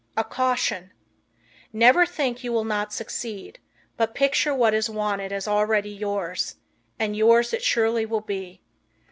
A Caution. Never think you will not succeed, but picture what is wanted as already yours, and yours it surely will be.